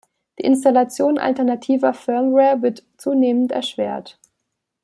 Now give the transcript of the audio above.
Die Installation alternativer Firmware wird zunehmend erschwert.